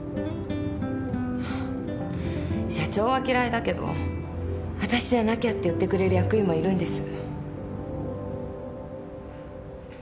社長は嫌いだけどわたしじゃなきゃって言ってくれる役員もいるんです。